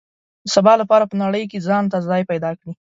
د سبا لپاره په نړۍ کې ځان ته ځای پیدا کړي.